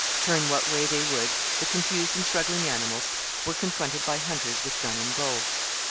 Turn what way they would, the confused and struggling animals were confronted by hunters with gun and bow.